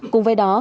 cùng với đó